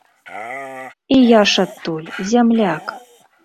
І я ж адтуль, зямляк!